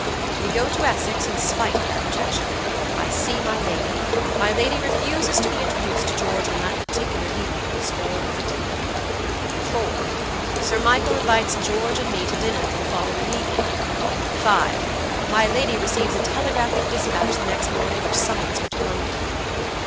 We go to Essex in spite of that objection. I see my lady. My lady refuses to be introduced to George on that particular evening on the score of fatigue." "4. Sir Michael invites George and me to dinner for the following evening." "5. My lady receives a telegraphic dispatch the next morning which summons her to London."